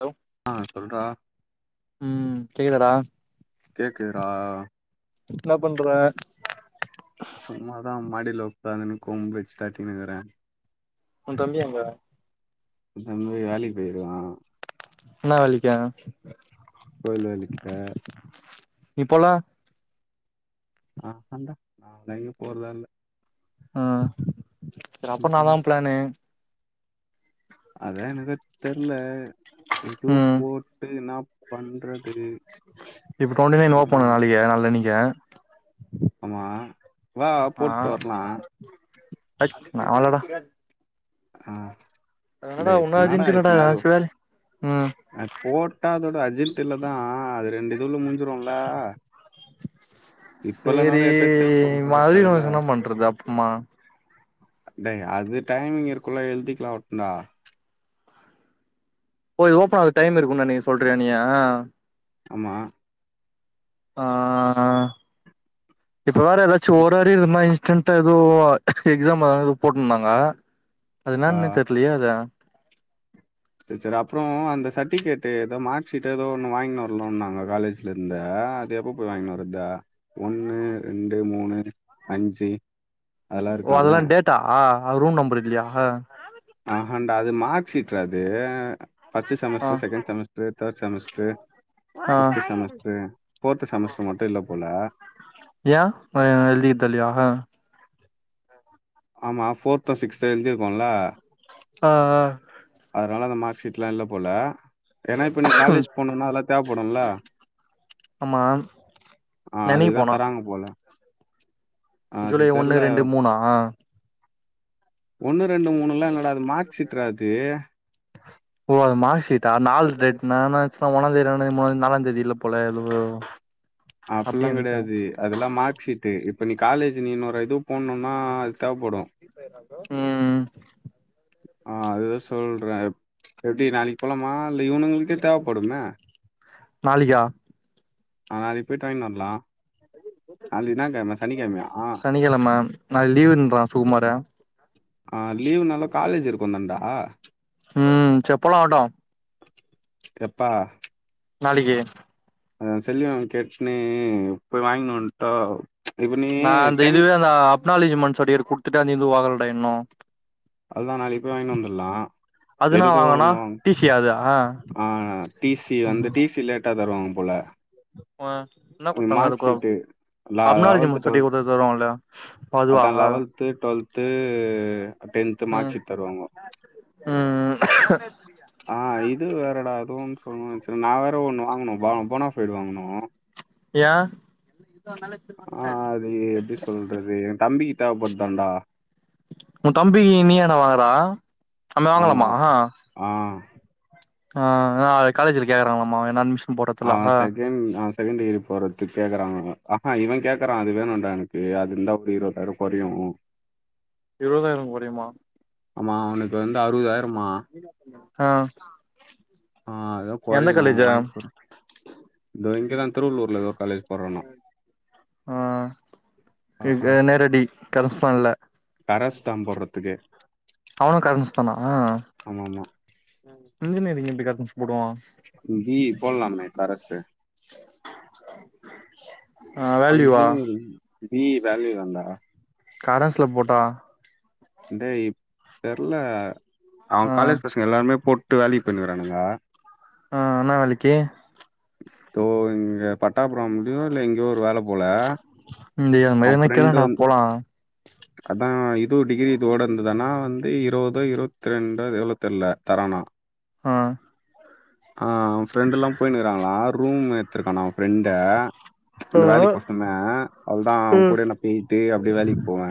Hello ஆ சொல்றா ம் கேக்தாடா கேக்குதுடா என்ன பண்ற சும்மதா மாடிலாவொக்குந்துனு கொம்பு வெச்ச தட்டீனுக்குற உ தம்பி எங்க எ தம்பி வேலைக்கி போயிருக்கா இன்னா வேலைக்கி கோயில் வேலைக்கே நீ போல ஆஹன்டா நா எங்கயு போறதா இல்ல ஆ செரி அப்புறோ இன்னாதா ம்ஹூம் பிளானு அதா எனக்கு தெர்ல எதுவு ம் போட்டு என்னா பண்றது இப்ப டுவெண்டி நைன் ஓப்பண்ணு ம், நாளக்கி நால்னனிக்கே ஆமா வா ஆ போட்டு வர்லா ஆ நா வர்லடா ஆ அடா இன்னடா டேய் இப்ப உன்ன என்னடா அர்ஜிண்டு இல்லடா நா எப்பயாது அது சி வே உம் அது போட்டா அதோட அர்ஜென்டிலதா அது ரெண்டு இதுல முட்ஞ்சிடோல செரி போது இருக்காதுல்ல மாதியோசன பண்றது அப்பம்மா டேய் அது டைமிங் இருக்குல்ல எல்திக்ளௌட்னா போய் ஓப்பன் ஆகுது டைம் இருக்குண்ணு நீ சொல்றீயா நீயே ஆமா ஆ இப்ப வேற ஏதாச்சு இப் ஒரு அறிவு [unintelligible] ரீ செண்டா எதோ எக்ஸாம் அ போட்ருந்தாங்க அது ஆ இன்னானு தெர்லயே அது செர் செரி அப்புறோ அந்த சர்டிபிகேட்டு ஏதோ மார்க் ஷீட்டோ எதோ ஒன்னு வாங்கினி வரல்ன்னோன்னாங்க காலேஜ் போய் லர்ந்து அது எப்போ போய் வாங்கினு வற்தே ஒன்னு ரெண்டு மூணு அஞ்சி ஓ அதெல்லா டேட்டா ரூம் நம்பர் இல்லியா ஆஹாண்டா அது மார்க் ஷீட்ரா அது ஃபர்ஸ்டு ஆ semester second semester third semester ஆ ஃபிஃப்த்து செமஸ்ட்ரு ஃபோர்த்து செமஸ்ட்ரு மட்டு இல்ல போல ஏ அவ எ எழ்த்தி தர்லயா ஆமா ஃபோர்த்தோ சிக்ஸ்த்தோ எழுதிர்க்கோல ஆ ஆ அதனால அந்த மார்க் ஷீட்லா இல்ல போல ஏன்னா இப்ப நீ காலேஜ் போனும்னா அதெல்லா தேவப்படும்ல ஆமா ஆ என்னைக்கு அதுக்குதா போனா தராங்க போல ஆ, அது ஜூலை ஒன்னு தெர்ல ரெண்டு மூணா ஒன்னு ரெண்டு மூணுலா என்னடா அது மார்க் ஷீட்றா அது ஓ அது மார்க் ஷீட்டா நாலு டேட்னா நா என்ன நெனச்ச ஒன்னாந் தேதி ரெண்டாந் தெதி மூனாந் தேதி நாலாந் தேதி இல்ல போல [unintelligible] அப்டி அப்புல்லா நெனச்சே கெடையாது அதெலா மார்க் ஷீட்டு இப்போ நீ காலேஜ் நீ இன்னௌரு இது போன்னோனா அது தேவப்படோ உம் ஆ அது சொல்றே எப்டி நாளைக்கு போலமா இல்ல இவனுங்களுக்கே தேவப்படுமே நாளைக்கா ஆ நாளைக்கு போய்டாது வரலா நாளைக்கு என்ன கெழம சனிக்கெழமையா சனிக்கெழமை நாளைக்கு லீவுன்றா சுகுமாரு ஆ லீவ் நாலு காலேஜ் இருக்கு தான்டா ம் செப்பலாவுடோ எப்பா நாளைக்கு அ செல்வி மேம் கேட்டுசுன்னு போய் வாங்கினு வன்ட்டா இப்ப நீ நா அந்த டைம் இதுவே அந்த அப்னாலிஜிமெண்ட்ஸ் சர்டிபிகேட் குடுத்துட்டு அந்த இது வாங்கலடா இன்னு அவளதா நாளைக்கு போய் வாங்கிட்டு வந்துடலா அதுனா எனக்கு வாங்கனா ஒண்ணோ டி சி யா அது ஆ டி சி வந்து டி சி லேட்டா தருவாங்க போல ஆ என்ன குடுத்தாங்க மார்க் அதுக்கு ஷீட்டு லெ லெவல்த் அப்னாலஜிமெண்ட் சொல்லி டுவல்த் குடுத்து வருவாங்கல்ல அதுவா அதா eleventh twelfth tenth mark sheet தருவாங்க ம் ம் ஆ இது வேற டா அதுன்னு சொல்லணும்னு நெச்சே நா வேற ஒண்ணு வாங்கனு போனாஃபைடு வாங்கனு ஏ ஆ அது எப்டி சொல்றது எ தம்பி தேவ படுதாண்டா உ தம்பி நீ யாண்டா வாங்குறா நம்ம ஆமா வாங்கலாமா ஆ ஆ அதா காலேஜில கேக்குறாங்களா என அட்மி ஆ செகண்ட் ஆ செகண்ட் டிகிரி போறதுக்கு கேக்குறாங்க ஆ ஆ இவன் கேக்றா அது வேணும்ண்டா எனக்கு அது இந்தந்தாவ ஒரு இருவதாயிரோ கொறையு இருபதாயிரம் கொறையுமா ஆமா அவனுக்கு வந்து அறுபதாயிரமா ஆ ஆ அதா எந்த கொறையு காலேஜு வாங்கி குடு இந்த இங்கேதா திருவள்ளூர்ல ஒரு காலேஜ் போடுறானா ஆ ஆ ஆ அ நேரடி கரஸ்பண்ணல கரஸ் தா போரதுக்கு அவனு காலேஜ் முடிச்சிடானா ஆமா ஆமா இன்ஜினியரிங் எப்டி கரஸ் போடுவா பி யி போலாமே கரஸ்சு ஆ அவ வேல்யூவா இன்ஜினியரிங் பி யி வேல்யூ தான்டா கரஸ்ல போட்டா டேய் தெரல அவ ஆ காலேஜ் பசங்க எல்லாருமே போட்டு வேலைக்கு போய்ருக்கானுங்க ஆ என்னா வேலைக்கு தோ இங்க பட்டாப்பிரம்லயோ இல்ல எங்கேயோ ஒரு வேல போல இங்கயே அது மாரி கேழண்டா போலா அதா இது டிகிரி தோட இருந்துதானா வந்து இருபதோ இருபத்தி ரெண்டோ எவ்ளோ தெர்ல தரானா ஆ ஆ ஃப்ரெண்டு எல்லா போய்னுக்கிறாங்களா ரூம் எத்துருக்கான்னா அவ ஃப்ரெண்டே இந்த ஆ வேலைக்கு போ சொன்னே அவ்ளதா அவ ம் கூடயே போயிட்டு அப்டியே வேலைக்கு போவே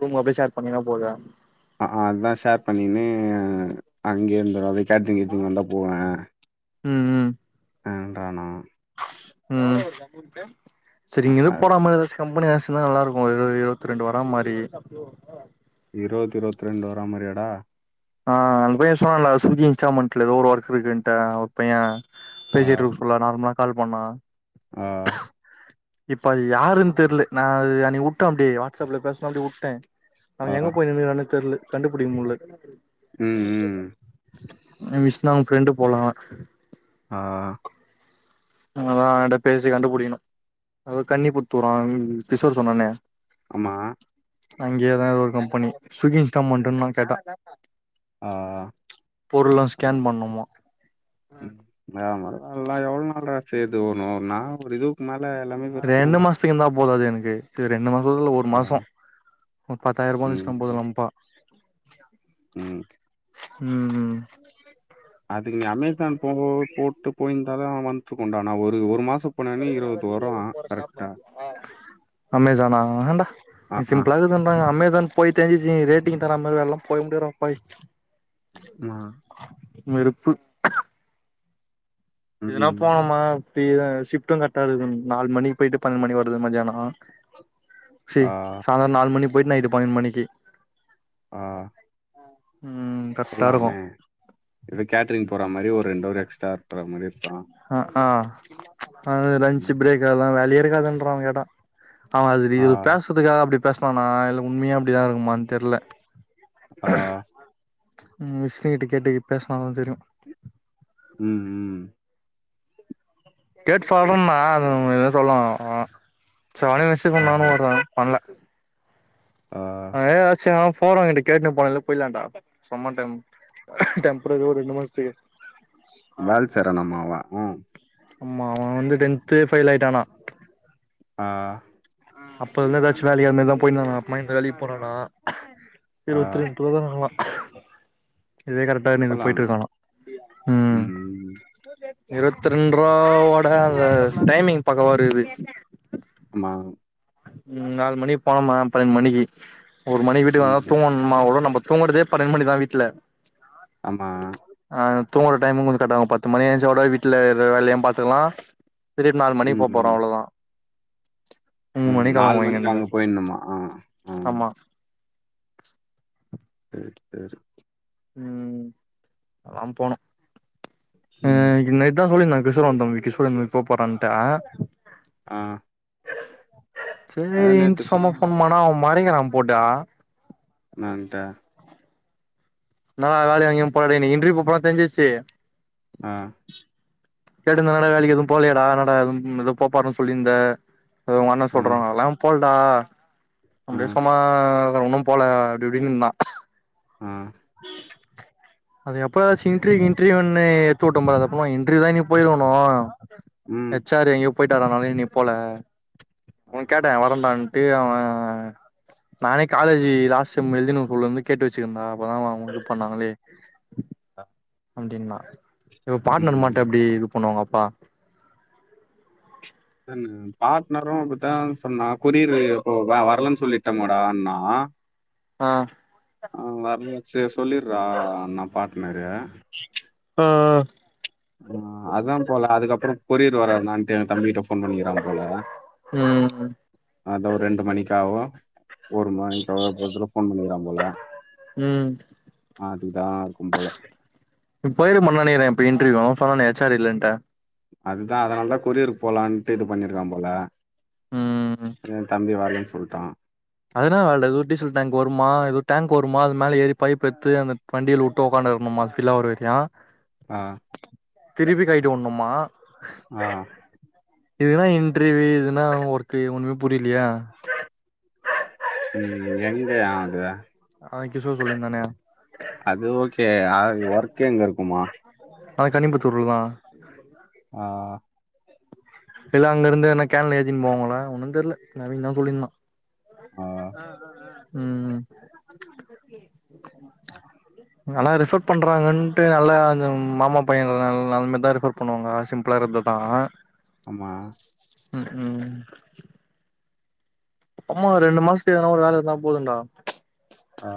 ரூம்ம அப்டியே ஷேர் பண்ணினா போது அதுதா ஷேர் பண்ணின்னு அங்கேய இருந்துடு அத கேட்ரிங் கிட்ரிங் வந்தா போவே ம் ம் ஆன்றணா ம் செரி இங்க இருந்து அது போற மாரி ஏதாச்சி கம்பெனி ஆக்சுலா நல்லா இருக்கு இருபது இருபத்தி ரெண்டு வர மாரி இருபது இருபத்தி ரெண்டு வரா மாரியாடா ஆ அந்த பைய சொன்னால்ல சுசி இன்ஸ்டால்மெண்ட்ல ஏதோ ஒரு ஒர்கு இருக்குன்டு பைய ஆ பேசிட்டு இருக்கு சொல்ல நார்மலா கால் பண்ணா ஆ இப்ப அது யாருன்னு தெரியல நா அ அன்னிக்கு உட்ட அப்படி வாட்ஸ்ப்ல பேசனு அப்டி உட்ட அவ ஆ எங்க போய் நின்னுகிறானே தெரியல கண்டுபிடிக்க முடியல ம் ம் விஷ்னா உன் ப்ரெண்டு போலா ஆ அதா அவகிட்ட பேசி கண்டுபிடிக்கணு அதா கன்னிபுத்தூரான் கிஷோர் சொன்னானே ஆமா அங்கேயேதா அது ஒரு கம்பெனி சுக்கி இன்ஸ்டால்மண்டுனா கேட்டா ஆ பொருள்லா ஸ்கேன் பண்ணுமா ஆமா இதெல்லா எவ்ள நாள் செது ஒணு நா ஒரு இதுக்கு மேல ரெண்டு மாஸ்திகி இருந்தா போதாது எனக்கு ரெண்டு மாசத்துல ஒரு ஆ மாசோ ஒரு பத்தாயிர ரூபா வச்சிட்டா போத ம் லம்ப்பா ம் ம் ம் அதுக்கு நீ அமேசான் போ போட்டு போயிருந்தாலு வந்துருக்குண்டா நா ஒரு ஒரு மாசோ அமேசான ஆன்டா ஆ ஆ சிம்பிளா இரு [unintelligible] அமேசான் போயிட்டு ஸ் ரேட்டிங் தராம மாரி வேல எல்லா போய் முடியாது டா ஆமா வெருப்பு இதெல்லா இப்ப ம் போனோமா அப்டி அ ஷிப்ட்டு கரெக்ட்டா இருக்கு நாலு மணிக்கு போயிட்டு பன்னெண்டு மணிக்கு வரதுக்கு மதியானோ சரி ஆ சாயந்தர நாலு மணிக்கு போயிட்டு நைட் பன்னெண்டு மணிக்கு ஆ ம் கரெக்டா இருக்கு போலாமே ஏதோ கேட்ரிங் போற மாரி ஒரு ரெண்டு அவர் எக்ஸ்ட்ரா இருக்கற மாரி இருக்களா அ ஆ அது லன்ச் ம். பிரேக் அதெல்லா பிரேக் அதெல்லா வேலையே இருக்காதுன்றா அவ கேட்ட அவ அது இது ஆ பேசுறதுக்காக அப்டி பேசுனான இல்ல உண்மையா அப்டிதா இருக்குமானு தெர்ல விஷ்ணுகிட்ட கேட்டு பேசனாதா தெரியு ம் ம் கேட்டு சொல்றன்னா அது எது சொல்லல்ல ஆ சரி அதே வெச்சிக்ட்டுனு நானு பண்ணல அதே யோசிச்சிங்க போற எடுக்கு கேட்ட போனலே போய்லாடா சம டைம் டெம்ரவரியா ஒரு ரெண்டு மாசத்துக்கு வேலை செய்றானாமா அவ ம் ஆமா அவ வந்து டென்த் பெயில் ஆயிட்டானா ஆ அப்ப இருந்த ஏதாச்சு வேல அந்தமாரி தா போயிருந்தானா அப்புரமா இந்த வேலைக்கு போறானா ஆ இருபத்தி ரெண்டு [unintelligible] இதே கரெக்டா இருக்குனு போயிட்டு போலாமா இருக்கனா ம் இருபத்த ரெண்டு ரூபோட அந்த டைமிங் பக்காவ இருக்குது மா ம் நாலு மணிக்கு போனோம்மா பன்னெண்டு மணிக்கு ஒரு மணிக்கி வீட்டுக்கு வந்தா ம் தூங்கணு டைம் அவு நம்ம தூங்குரதே பண்ணேண்டு மணி தா வீட்ல ஆமா ஆ தூங்குற டைமு கொஞ்சோ கர்டாவு பத்து மணி எஞ்சா ஓட வீட்டுல இருக்குற வேலையு பாத்துக்லா திரும்பி நாலு மணிக்கி ம் போ போறோ ம் அவ்ளோ தா ம் நாலு மணிக்கு இங்கருந்து அங்க போயிட்ணுமா ஆமா செரி செரி ம் அதல்லா போனு ஆ ம் இன்னைக் நைட் தா சொல்லிருந்தாங்க கிஷோர் [unintelligible] கிஷோரு மும்பை போ போறான் டா ஆ செரி அதான் நேற்று சும்மா சொன்னேன் போன் பனாண்ணா அவன் மறைக்கிறா போட்டா நா தா வா வேலையா எங்கயு போட நீ இண்ட்ரியுக்கு போனனு தெரிஞ்சிர்ச்சு ஆஹா தேட்ற நல்ல வேலைக்கு எது போலயா டா என்னா டா எதோ போ போறன் சொல்லிருந்த ஓங்க அண்ண ஆ சொல்றனால் போல்டா ஆ அப்டியே சும்மா தா ஒன்னு போல அப்டிப்டின்னுதா ஆ உம் அது எப்போ வாச்சு இன்ர்வூக்கு இன்டர்வியூன்னு எடுத்து விட்டோம்ரா அது அப்புறம் இடர்வூ போயிடணும் ம் ஹச் ஆர் எங்கியோ போய்ட்டாராம இன்னியு போல ஆ, உன் கேட்டே வரண்டான்ட்டு அவன் நானே காலேஜி லாஸ்ட டைம் எழுதிதுனு சொல்ல வந்து கேட்டுச்சிருந்தா அப்பதா அவன இது பண்ணாங்களே அப்டின்னா இவே பார்ட்னர் ம் மாட்டோ எப்டி இது பண்ணுவாங்க அப்பா பார்ட்னரு அப்டித்தா சொன்னா கொரியரு வரலன்னு சொல்லிட்டமாடான்னா ஆ ஆ வர்ல சேர் சொல்லிட்றா நா பாட்னேரு ஆ ஆ அதா போல அதுக்கப்புறம் கொரியர் வரு என்னான்ட்டு தம்பிக்க கிட்ட போன் பண்ணிக்கிறங்க போல ம் அது ஒரு ரெண்டு மணிக்க ஆவு ஒருமா நீ சாப்புற நேரத்துல போன் பண்கிறா போல ம் அதுதா இருக்கும் போல இப்ப போயிருப்பான்னு நெனக்கிறே இப்ப இன்ட்ரெவியு அவதா சொன்னானே ஹச் ஆர் இல்லன்ட்டு அதுதா அதனால தா கொரியருக்கு போலான்ட்டு இது பண்ணிருக்கா போல ம் என் தம்பி வரலன்னு சொல்ட்டா அதுதா வேல ஏதோ டிசல் டேங்க் வருமா ஏதோ டேங்க் வருமா அது மேல ஏறி பைப் எடுத்து வண்டில உட்டு உக்காண்டு இருக்குணும்மா ஃபில்லாவுர வரிக்கு ஆ திருப்பி கயிட்டு உண்ணுமா ஆ இதுக்கு தா இன்ர்வியூ இதுன்னா ஒர்க்கு ஒண்ணுமே புரியிலியே ம் எங்கயா அது அவ கிஷோர் சொல்லியிருந்தானே அது ஓகே அ ஒர்க் எங்க இருக்குமா அது கனிம்பத்தூர்லதா [inaudible] ஆ இல்ல அங்க இருந்து என்ன கேன்ல ஏத்தினு போவாங்களா ஒன்னு தெரியல நவீன்தா சொல்லிருந்தா ஆ ம் இங்கெல்லா ரெஃபர் பண்றாங்கன்ட்டு நல்லா மாமா பைய நெலமைதா ரெஃபர் பண்ணுவாங்க சிம்பிளா இருந்ததா ஆமா ம் ம் அம்மா ரெண்டு மாசத்துக்கு எதனா ஒரு வேல இருந்தா போதுன்டா ஆ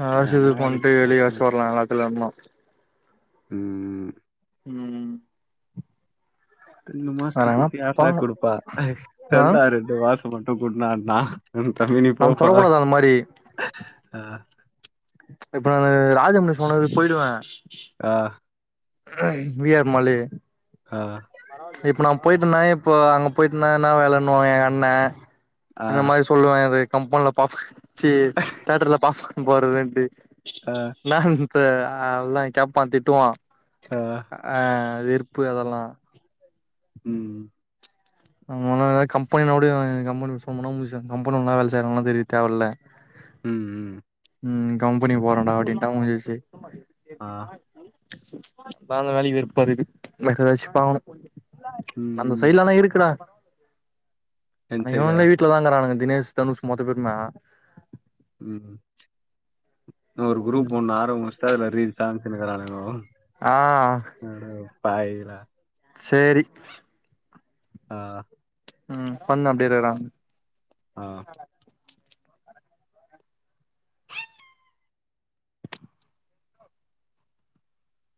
காசு இது ஏன்னா வேலைக்கு போட்டு போறதுன்னு வெளியேசு வரலா எல்லாத்துல இருந்து ம் ம் ரெண்டு வேற மாஸ்த்துக்கு எங்கனா இப்ப யார்டா பாக்கணு குடுப்பா ஆ தெர்லா ரெண்டு மாச மட்டு குடுன்னானா தமினிப்போ தொட கூடாதா அந்த மாரி அ இப்ப நா ராஜம்ன சொன்னதுக்கு போயிடுவே ஆ வி ஆர் மளி அதா இப்ப நா போயிட்டனா இப்ப அங்க போயிட்டனா என்ன வேலண்ணுவாங்க எங்க அண்ணே ஆ இந்த மாரி சொல்லுவே அது கம்பன்ல பாஃப்ச்சு தேட்டர்ல பாஃப்கான் போடறதுன்ட்டு ஆ நா இப்ப அதல்லா கேப்பா திட்டுவா ஆ ஆ விற்ப்பு அதெல்லா ம் ஆ எதனா கம்பெனினா னோடயு கம்முனு ஃபோன் பண்ணாம போய் கம்பனில்ல வேல செய்றனா தெர்ய தேவயில்ல ம் ம் ம் கம்பெனி போறண்டா அப்டின்ட்டா முடிஞ்சிச்சு ஆ பாக்கனுனாலே வெறுப்பாக்கு வேற ஏதாச்சு பாக்ணு ம் அந்த ம் சைட்லா ஆனா இருக்குடா என் ஆனா சைடா இவன்லா வீட்ல தான்ங்கறானுங்க தினேஷ், தனுஷ் மத்த பேருந்தா ம் ஒரு குரூப் ஒண்ணு ஆரம்பிச்சுட்டா அதுல ரீல்ஸா அனுப்பினுக்றானுகோ ஆ அட பாவிகளா செரி ஆ ம் பண்ணு அப்டேட்டடான் ஆ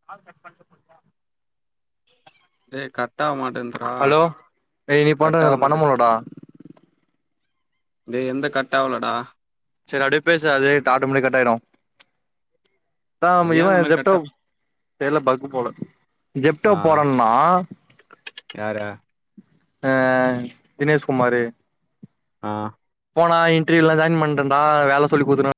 கால் கட் பண்டு தே கட் ஆவ மாட்டன் ஹலோ ஏய் நீ பண்ட இதுல பண்ண மாட்டேன் முல்லடா டே எந்த கட் ஆவலடா சரி அப்டியே பேசு அதே ஆட்டோமட் கட் ஆய்டு ஏன் இவ அந்த மாரி கட் செப்டோ தெர்ல பக்கு போல ஜெப்டோ ஆ போறன்னா யாரு அ தினேஷ் குமாரு ஆ போனா இன்டர்வியூல்லா ஜாயின் பண்ருந்தா வேல சொல்லி குத்து